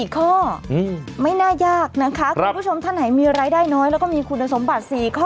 ๔ข้อไม่น่ายากนะคะคุณผู้ชมท่านไหนมีรายได้น้อยแล้วก็มีคุณสมบัติ๔ข้อ